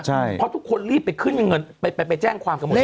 เพราะทุกคนรีบไปขึ้นอย่างเหมือนไปแจ้งความกับผู้ถูก